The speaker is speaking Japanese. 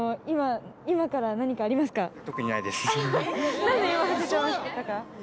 今から何かありますか？